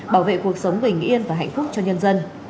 bảo vệ cuộc sống bình yên và hạnh phúc cho nhân dân